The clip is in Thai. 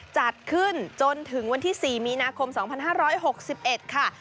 จัดขึ้นจนถึงวันที่๔มีนาคม๒๕๖๑ค่ะ